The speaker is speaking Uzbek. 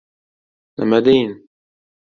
«Nima deyin?»